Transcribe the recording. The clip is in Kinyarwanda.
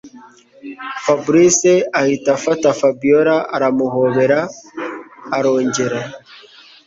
Fabric ahise afata Fabiora aramuhobera arongera